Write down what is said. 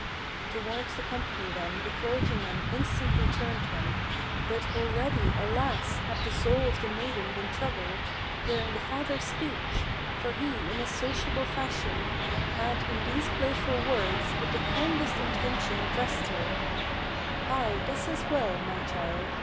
Towards the company then the clergyman instantly turned him; But already, alas! had the soul of the maiden been troubled, Hearing the father's speech; for he, in his sociable fashion, Had in these playful words, with the kindest intention addressed her: "Ay, this is well, my child!